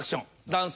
男性